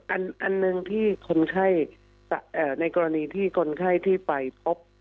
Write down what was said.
อันหนึ่งที่คนไข้ในกรณีที่คนไข้ที่ไปพบ